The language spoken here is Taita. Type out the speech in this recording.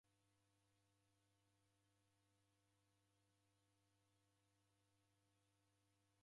Neikadomghorea ndena w'utesia ghungi